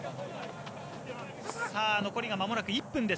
残りがまもなく１分です。